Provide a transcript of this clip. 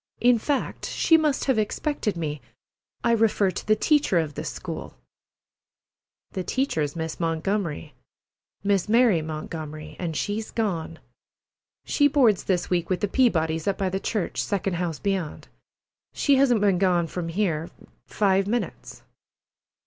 In fact, she must have expected me. I refer to the teacher of this school." "The teacher's Miss Montgomery—Miss Mary Montgomery—an' she's gone. She boards this week with the Peabodys', up by the church, second house beyond. She hasn't been gone from here five minutes."